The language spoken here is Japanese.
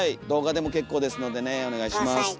動画でも結構ですのでねお願いします。